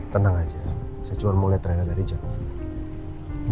tenang aja saya cuma mulai trennya dari jepang